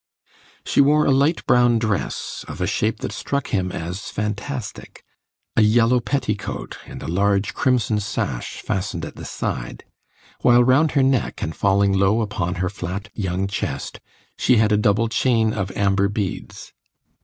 She wore a light brown dress, of a shape that struck him as fantastic, a yellow petticoat, and a large crimson sash fastened at the side; while round her neck, and falling low upon her flat young chest, she had a double chain of amber beads.